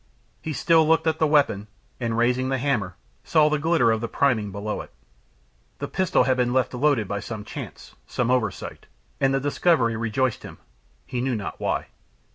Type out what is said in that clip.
He still looked at the weapon, and raising the hammer, saw the glitter of the priming below it. The pistol had been left loaded by some chance, some oversight. And the discovery rejoiced him, he knew not why.